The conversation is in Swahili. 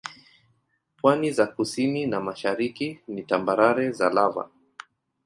Pwani za kusini na mashariki ni tambarare za lava.